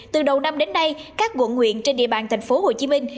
từ đầu năm đến nay các quận huyện trên địa bàn thành phố hồ chí minh